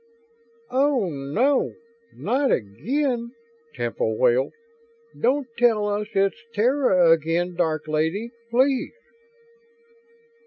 "Oh, no. Not again?" Temple wailed. "Don't tell us it's Terra again, Dark Lady, please."